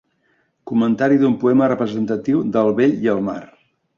Comentari d'un poema representatiu de El vell i el mar.